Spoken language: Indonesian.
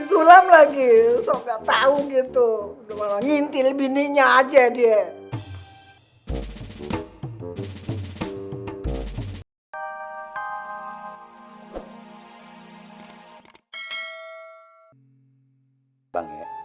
sulam lagi soal nggak tahu gitu ngintil bininya aja dia